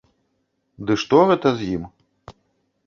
Ды што гэта з ім?